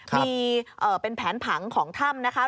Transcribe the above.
มีเป็นแผนผังของถ้ำนะคะ